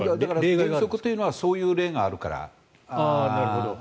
原則というのはそういう例があるから。